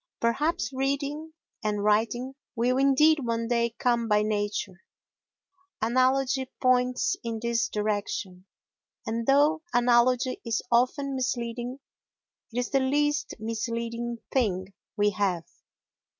Perhaps reading and writing will indeed one day come by nature. Analogy points in this direction, and though analogy is often misleading, it is the least misleading thing we have.